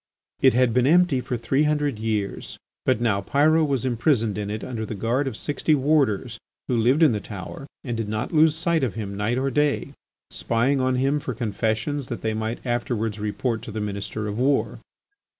It had been empty for three hundred years, but now Pyrot was imprisoned in it under the guard of sixty warders, who lived in the tower and did not lose sight of him night or day, spying on him for confessions that they might afterwards report to the Minister of War.